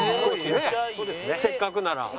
せっかくなら。